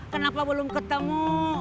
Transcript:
kenapa belum ketemu